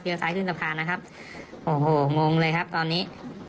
ซ้ายขึ้นสะพานนะครับโอ้โหงงเลยครับตอนนี้